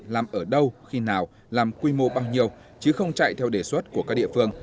làm ở đâu khi nào làm quy mô bao nhiêu chứ không chạy theo đề xuất của các địa phương